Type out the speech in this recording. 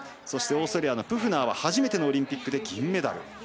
オーストリアのプフナーは初めてのオリンピックで銀メダル。